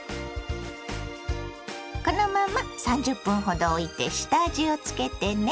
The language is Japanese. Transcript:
このまま３０分ほどおいて下味をつけてね。